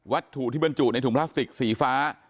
ถูกที่บรรจุในถุงพลาสติกสีฟ้า